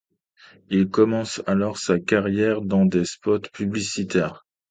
Il commence alors sa carrière dans des spots publicitaires.